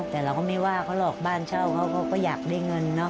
แต่เราก็ไม่ว่าเขาหรอกบ้านเช่าเขาก็อยากได้เงินเนาะ